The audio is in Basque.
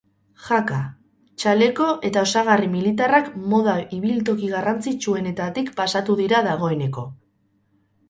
Jaka, txaleko eta osagarri militarrak moda ibiltoki garrantzitsuenetatik pasatu dira dagoeneko.